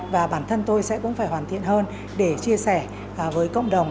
và bản thân tôi sẽ cũng phải hoàn thiện hơn để chia sẻ với cộng đồng